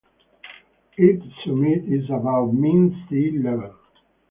Its summit is above mean sea level.